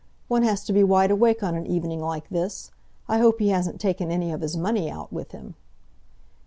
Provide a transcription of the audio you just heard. One has to be wide awake on an evening like this. I hope he hasn't taken any of his money out with him."